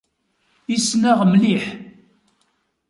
Issen-aɣ mliḥ.